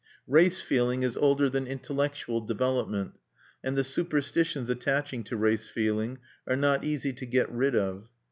Race feeling is older than intellectual development; and the superstitions attaching to race feeling are not easy to get rid of.